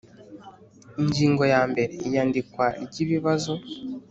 Ingingo yambere Iyandikwa ry ibibazo